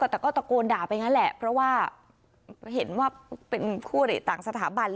แต่ก็ตะโกนด่าไปงั้นแหละเพราะว่าเห็นว่าเป็นคู่อริต่างสถาบัน